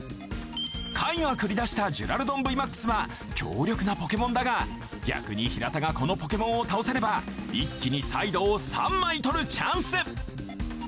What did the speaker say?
カイが繰り出したジュラルドンＶＭＡＸは強力なポケモンだが逆に平田がこのポケモンを倒せれば一気にサイドを３枚取るチャンス！